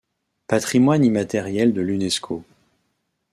Patrimoine immatériel de l'Unesco.